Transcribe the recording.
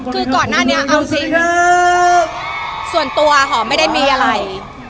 คือก่อนหน้านี้เอาจริงคือส่วนตัวหอมไม่ได้มีอะไร